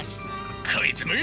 こいつめ！